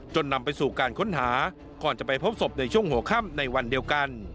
นำไปสู่การค้นหาก่อนจะไปพบศพในช่วงหัวค่ำในวันเดียวกัน